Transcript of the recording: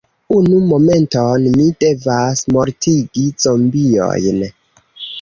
Unu momenton, mi devas mortigi zombiojn.